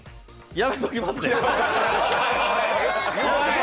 やめときます。